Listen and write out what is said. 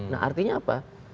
nah artinya apa